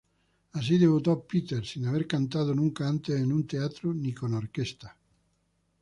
Así debutó Peters sin haber cantado nunca antes en un teatro ni con orquesta.